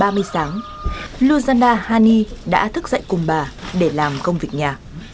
bốn giờ ba mươi sáng luzana hani đã thức dậy cùng bà để làm công việc nhà